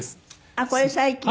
あっこれ最近？